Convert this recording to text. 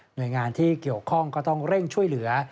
โดยงานที่เกี่ยวข้องก็ต้องเร่งช่วยเหลือ